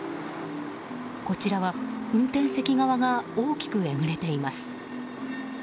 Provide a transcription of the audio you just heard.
こちらは運転席側が大きくえぐれています。